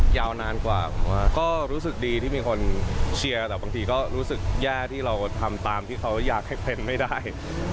ยาวนานกว่าผมว่าก็รู้สึกดีที่มีคนเชียร์แต่บางทีก็รู้สึกแย่ที่เราทำตามที่เขาอยากให้เป็นไม่ได้